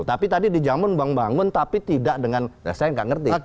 tapi tadi di jambon bangun bangun tapi tidak dengan saya nggak ngerti